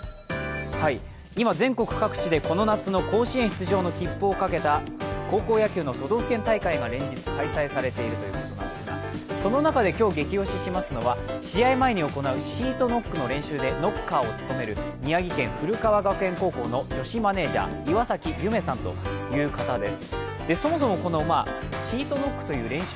今、全国各地でこの夏の甲子園出場の切符をかけた高校野球の都道府県大会が連日開催されているということなんですが、その中で、今日、ゲキ推ししますのは、試合前に行うシートノックの練習でノッカーを務める宮城県・古川学園高校の女子マネージャー、岩崎由芽さんという方です。